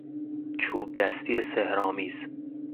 چوبدستی سحرآمیز